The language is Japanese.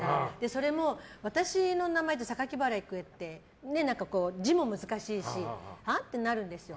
それも、私の名前って榊原郁恵って字も難しいしあ？ってなるんですよ。